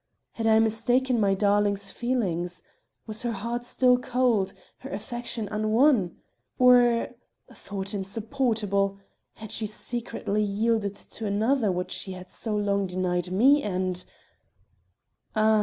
Had I mistaken my darling's feelings? Was her heart still cold, her affection unwon? Or thought insupportable! had she secretly yielded to another what she had so long denied me and "Ah!"